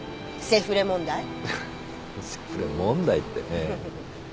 「セフレ問題」ってね。